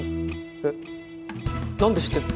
えっなんで知ってるの？